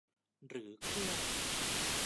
หรือเครื่อง